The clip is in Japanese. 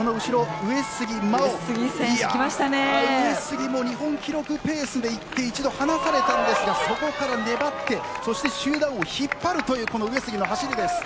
上杉も日本記録ペースでいって一度、離されたんですがそこから粘ってそして集団を引っ張るというこの上杉の走りです。